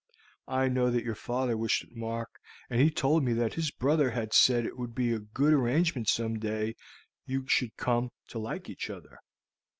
I know that your father wished it, Mark, and he told me that his brother had said that it would be a good arrangement if some day you should come to like each other.